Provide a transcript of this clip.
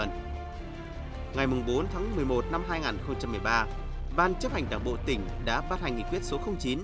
ngày bốn tháng một mươi một năm hai nghìn một mươi ba ban chấp hành đảng bộ tỉnh đã phát hành nghị quyết số chín